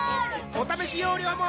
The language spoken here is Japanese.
お試し容量も